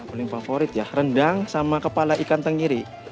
paling favorit ya rendang sama kepala ikan tenggiri